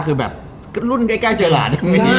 คือแบบรุ่นใกล้เจอหลาน